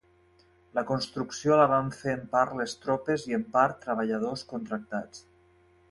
La construcció la van fer en part les tropes i en part treballadors contractats.